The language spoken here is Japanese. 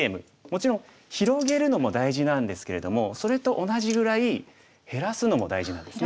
もちろん広げるのも大事なんですけれどもそれと同じぐらい減らすのも大事なんですね。